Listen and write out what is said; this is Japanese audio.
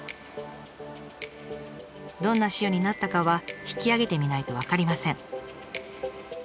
どんな塩になったかは引き上げてみないと分かりません。